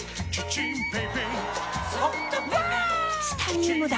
チタニウムだ！